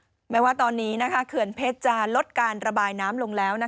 แม้ว่าตอนนี้เขื่อนเพชรจะลดการระบายน้ำลงแล้ว